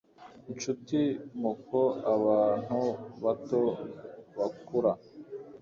Nshuti moko abantu bato bakura